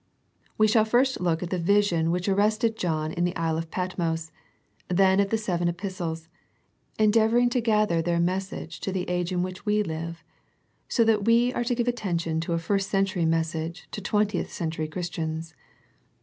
We shall first look at the vision which ar rested John in the Isle of Patmos, then at the seven epistles, endeavouring to gather their message to the age in which we live; so that we are to give attention to a first century mes sage to twentieth century Christians.